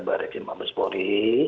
baris kim mampaspori